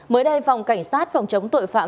mới đây phòng cảnh sát phòng chống tội phạm